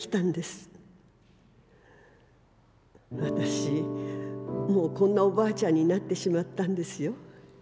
私もうこんなお婆ちゃんになってしまったんですよ。